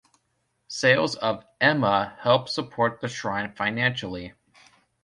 Sales of "ema" help support the shrine financially.